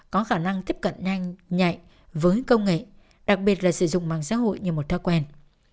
có khả năng tiếp cận nhanh nhạy với công nghệ đặc biệt là sử dụng mạng xã hội như một thói quen